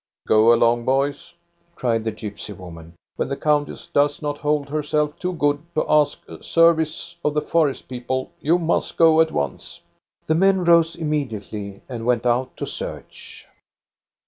" Go along, boys !" cried the gypsy woman. *' When the countess does not hold herself too good to ask a service of the forest people, you must go at once." The men rose immediately and went out to search.